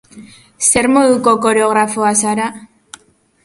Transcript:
Zer moduko koreografoa zara?